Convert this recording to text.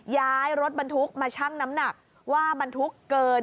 ย้ายรถบรรทุกมาชั่งน้ำหนักว่าบรรทุกเกิน